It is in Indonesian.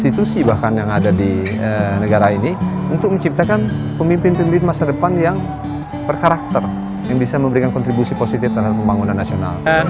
ketika keberagaman diwujudkan dalam kebersamaan maka yang terjadi adalah semangat kebersatan